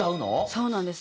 そうなんです。